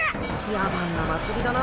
野蛮な祭りだな。